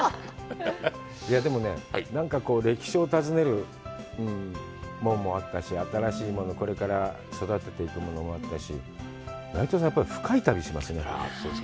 でもね、何か歴史を訪ねるものもあったし、新しいもの、これから育てていくものもあったし、内藤さん、やっぱり深い旅をしますね。